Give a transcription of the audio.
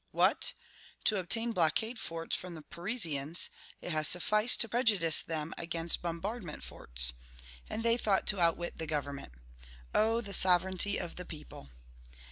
What! to obtain blockade forts from the Parisians, it has sufficed to prejudice them against bombardment forts! And they thought to outwit the government! Oh, the sovereignty of the people!...